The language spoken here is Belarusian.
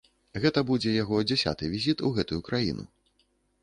Гэта будзе яго дзясяты візіт у гэтую краіну.